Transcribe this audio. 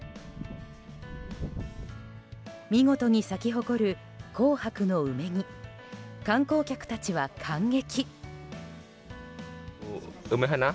見事に咲き誇る、紅白の梅に観光客たちは感激。